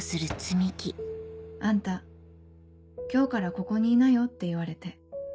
「あんた今日からここにいなよ」って言われて。